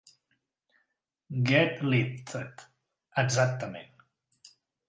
"Get Lifted", exactament.